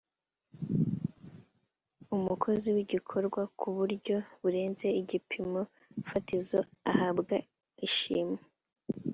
umukozi w’igikorwa ku buryo burenze igipimo fatizo ahabwa ishimwe